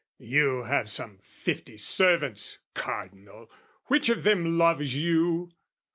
You have some fifty servants, Cardinal, Which of them loves you?